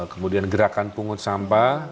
kemudian gerakan pungut sampah